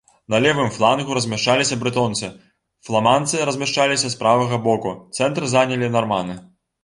На левым флангу размяшчаліся брэтонцы, фламандцы размяшчаліся з правага боку, цэнтр занялі нарманы.